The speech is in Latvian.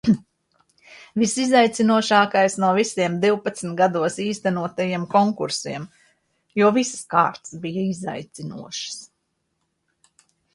Visizaicinošākais no visiem divpadsmit gados īstenotajiem konkursiem, jo visas kārtas bija izaicinošas.